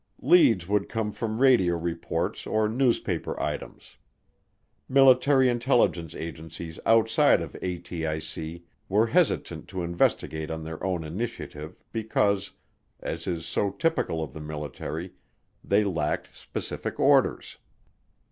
Leads would come from radio reports or newspaper items. Military intelligence agencies outside of ATIC were hesitant to investigate on their own initiative because, as is so typical of the military, they lacked specific orders.